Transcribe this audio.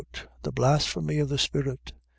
The blasphemy of the Spirit. ..